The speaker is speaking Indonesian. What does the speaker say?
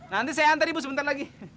nanti saya antar ibu sebentar lagi